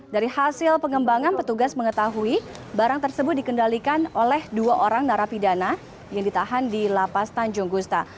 dari hasil pengembangan petugas mengetahui barang tersebut dikendalikan oleh dua orang narapidana yang ditahan di lapas tanjung gusta